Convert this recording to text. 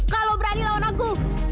kalau berani lawan aku